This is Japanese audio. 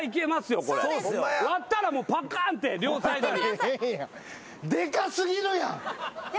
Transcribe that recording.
割ったらもうパカーンって両サイドに。